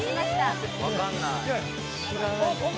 ・分かんない・